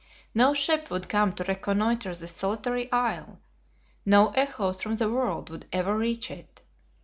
No ship would come to reconnoiter this solitary isle. No echoes from the world would ever reach it.